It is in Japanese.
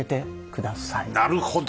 なるほど。